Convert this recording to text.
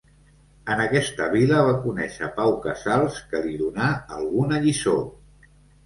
En aquesta vila va conèixer Pau Casals que li donà alguna lliçó.